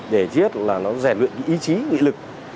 để chiết là nó rèn luyện cái ý chí nghĩ lực